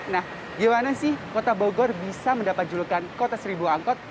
nah gimana sih kota bogor bisa mendapat julukan kota seribu angkot